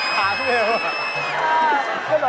หาที่ไหนวะ